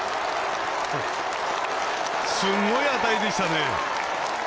すごい当たりでしたね！